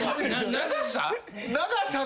長さ？